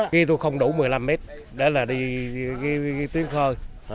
ghi tôi không đủ một mươi năm mét để là đi tuyến khơi